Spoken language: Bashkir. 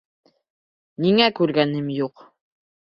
Ниңә күргәнем юҡ?